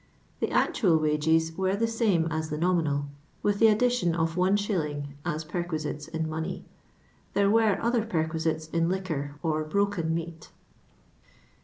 The actual wages were the same as the nominal, with the addition of l.t. as perquisites in money. There were other perquisites in liquor or broken meat.